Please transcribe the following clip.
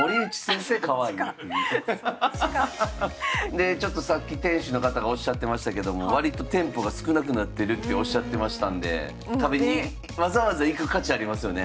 でちょっとさっき店主の方がおっしゃってましたけども割と店舗が少なくなってるっておっしゃってましたんで食べにわざわざ行く価値ありますよね。